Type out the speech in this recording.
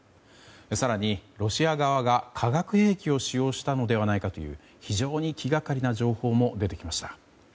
更に、ロシア側が化学兵器を使用したのではないかという非常に気がかりな情報も出てきました。